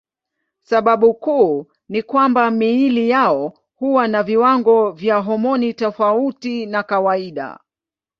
Sababu kuu ni kwamba miili yao huwa na viwango vya homoni tofauti na kawaida.